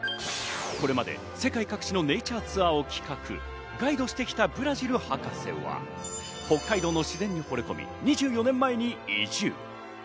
これまで世界各地のネイチャーツアーを企画・ガイドしてきたブラジル博士は、北海道の自然に惚れ込み、２４年前に移住。